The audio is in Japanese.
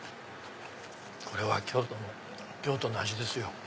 これは京都の味ですよ。